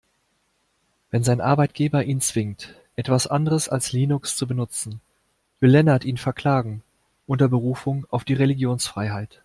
Wenn sein Arbeitgeber ihn zwingt, etwas anderes als Linux zu benutzen, will Lennart ihn verklagen, unter Berufung auf die Religionsfreiheit.